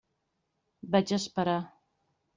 Vaig esperar.